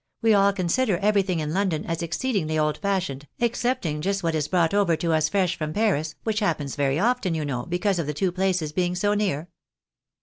We aU consider everything in London as exceed 44 THE BARNABYS IN AMERICA. ingly old fashioned, excepting just what is brought over to us fresh from Paris, which happens very often, you know, because of the two places being so near."